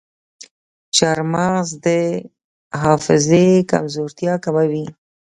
چارمغز د حافظې کمزورتیا کموي.